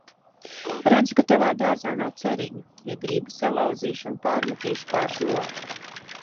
Redzu, ka Tavā dārzā nav ceriņu. Ja gribi, salauzīšu un pārmetīšu pār žogu.